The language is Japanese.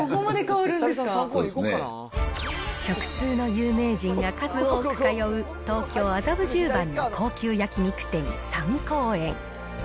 食通の有名人が数多く通う東京・麻布十番の高級焼肉店、三幸園。